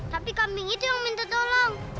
tapi kambing itu yang minta tolong